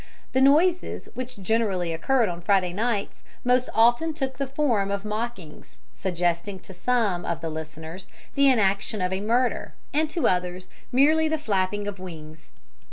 The noises, which generally occurred on Friday nights, most often took the form of mockings, suggesting to some of the listeners the enaction of a murder, and to others merely the flapping of wings.